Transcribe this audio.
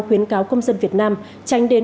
khuyến cáo công dân việt nam tránh đến